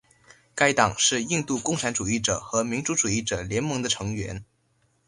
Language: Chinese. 该党是印度共产主义者和民主社会主义者联盟的成员。